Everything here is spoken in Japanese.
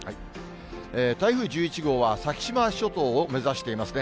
台風１１号は先島諸島を目指していますね。